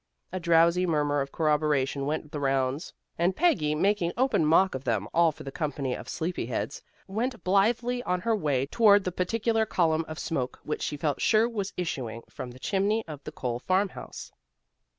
A drowsy murmur of corroboration went the rounds, and Peggy, making open mock of them all for a company of "sleepy heads," went blithely on her way toward the particular column of smoke which she felt sure was issuing from the chimney of the Cole farmhouse.